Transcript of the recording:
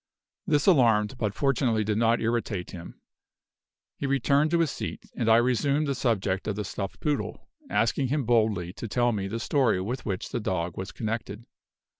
This alarmed, but fortunately did not irritate him. He returned to his seat, and I resumed the subject of the stuffed poodle, asking him boldly to tell me the story with which the dog was connected.